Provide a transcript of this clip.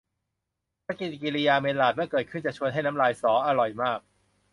ปฏิกริยาเมลลาร์ด เมื่อเกิดขึ้น จะชวนให้น้ำลายสอ อร่อยมาก